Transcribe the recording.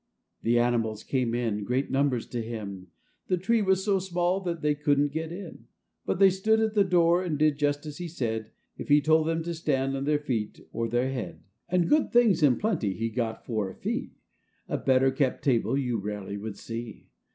The animals came in great numbers to him ; The tree was so small that they couldn't get in, But they stood at the door and did just as he said, If he told them to stand on their feet or their head ; 62 THE ENVIOUS ROSE. And good things in plenty he got for a fee — A better kept table you rarely would see.